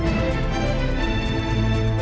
akan kubacnier aku